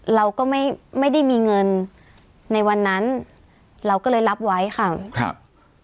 เราก็ไม่ไม่ได้มีเงินในวันนั้นเราก็เลยรับไว้ค่ะครับ